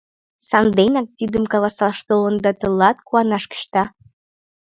Санденак тидым каласаш толын да тылат куанаш кӱшта.